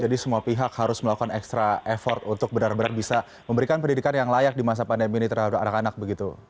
semua pihak harus melakukan extra effort untuk benar benar bisa memberikan pendidikan yang layak di masa pandemi ini terhadap anak anak begitu